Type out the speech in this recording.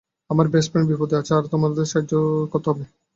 আমার best friend বিপদে আছে, আর তোমাদের আমাকে সাহায্য করতে হবে।